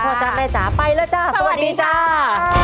พ่อจ่ะแม่จ๊ะไปแล้วจ้ะสวัสดีจ้า